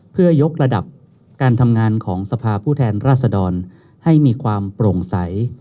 เพื่อยกระดับการทำงานของสภาผู้แทนราษดรให้มีความโปร่งใส